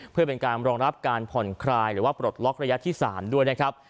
เพื่อเป็นการรองรับการผ่อนคลายหรือว่าปลดล็อกระยะที่๓ด้วยนะครับ